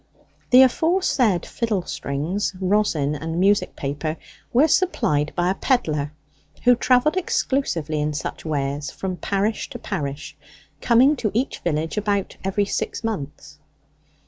The aforesaid fiddle strings, rosin, and music paper were supplied by a pedlar, who travelled exclusively in such wares from parish to parish, coming to each village about every six months.